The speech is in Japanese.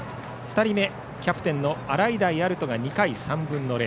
２人目、キャプテンの洗平歩人が２回３分の０。